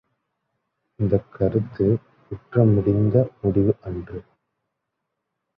இந்தக் கருத்து முற்ற முடிந்த முடிவு அன்று.